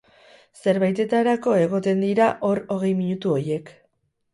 Zerbaitetarako egoten dira hor hogei minutu horiek.